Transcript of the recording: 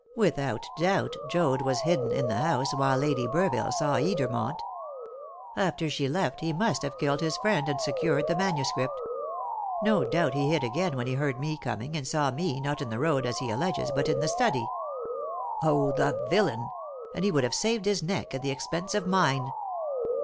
Without doubt Joad was hidden in the house while Lady Burville saw Edermont. After she left, he must have killed his friend, and secured the manuscript. No doubt he hid again when he heard me coming, and saw me, not in the road, as he alleges, but in the study. Oh, the villain! and he would have saved his neck at the expense of mine!"